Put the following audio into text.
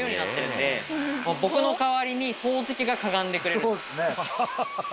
僕の代わりに掃除機がかがんでくれる。